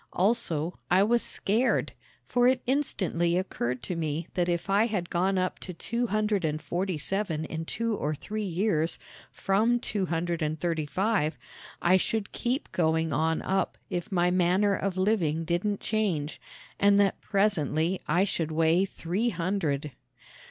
Also, I was scared; for it instantly occurred to me that if I had gone up to two hundred and forty seven in two or three years from two hundred and thirty five I should keep on going up if my manner of living didn't change and that presently I should weigh three hundred!